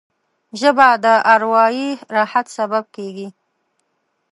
ژبه د اروايي راحت سبب کېږي